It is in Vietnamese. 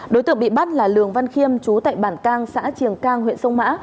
đối tượng bị bắt là lường văn khiêm chú tại bản cang xã triềng cang huyện sông mã